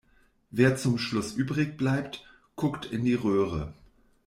Wer zum Schluss übrig bleibt, guckt in die Röhre.